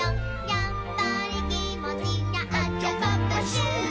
「やっぱりきもちがアジャパパシューワ」